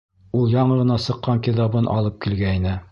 Ул яңы ғына сыҡҡан китабын алып килгәйне.